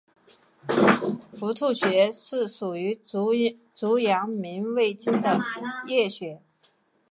伏兔穴是属于足阳明胃经的腧穴。